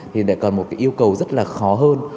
thì để còn một cái yêu cầu rất là khó hơn